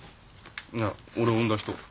いや俺を産んだ人。